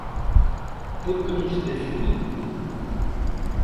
Por que non se decidiu?